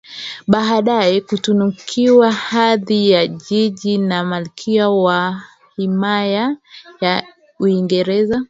Baadaye kutunukiwa hadhi ya Jiji na Malkia wa Himaya ya Uingereza